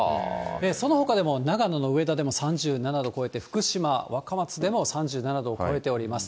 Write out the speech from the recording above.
そのほかでも、長野の上田でも３７度を超えて、福島・若松でも３７度を超えております。